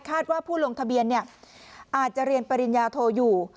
ว่าผู้ลงทะเบียนอาจจะเรียนปริญญาโทอยู่